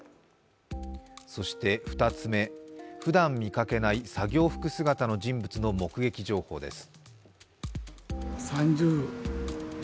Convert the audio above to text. そして２つ目、ふだん見掛けない作業服姿の人物の目撃情報です。